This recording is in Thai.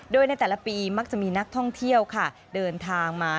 โดยในแต่ละปีมักจะมีนักท่องเที่ยวค่ะเดินทางมา